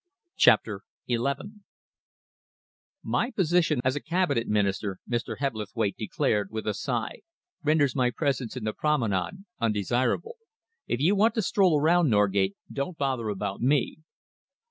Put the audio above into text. CHAPTER XI "My position as a Cabinet Minister," Mr. Hebblethwaite declared, with a sigh, "renders my presence in the Promenade undesirable. If you want to stroll around, Norgate, don't bother about me."